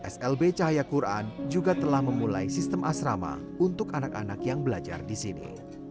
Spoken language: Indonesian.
slb cahaya quran juga telah memulai sistem asrama untuk anak anak yang belajar di sini